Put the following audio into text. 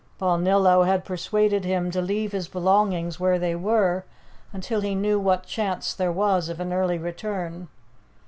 Balnillo had persuaded him to leave his belongings where they were until he knew what chance there was of an early return.